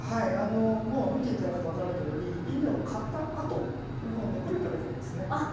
もう見て頂くと分かるとおり稲を刈ったあとの残りを食べてるんですね。